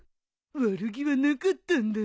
悪気はなかったんだ。